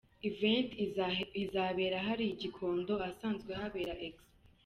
Event izabera hariya i Gikondo ahasanzwe habera expo.